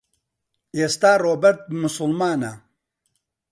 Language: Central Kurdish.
ئێستا ڕۆبەرت موسڵمانە.